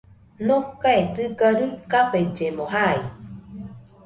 Nokae dɨga ruikafellemo jai